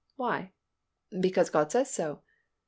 "Why?" "Because God says so."